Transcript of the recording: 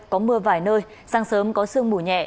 có mưa vài nơi sáng sớm có sương mù nhẹ